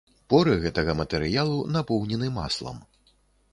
Поры гэтага матэрыялу напоўнены маслам.